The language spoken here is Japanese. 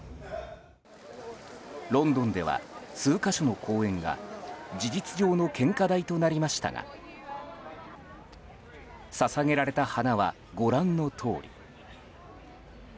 ロンドンでは、数か所の公園が事実上の献花台となりましたが捧げられた花はご覧のとおり。